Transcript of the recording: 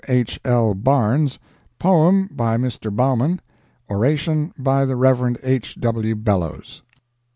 H. L. Barnes; Poem, by Mr. Bowman; Oration, by the Rev. H. W. Bellows.